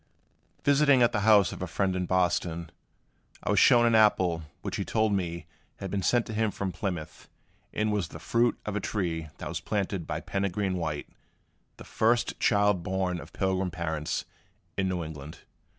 Visiting at the house of a friend in Boston, I was shown an apple which he told me had been sent to him from Plymouth, and was the fruit of a tree that was planted by Peregrine White, the first child born of Pilgrim parents in New England.